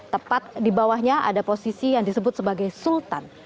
tepat di bawahnya ada posisi yang disebut sebagai sultan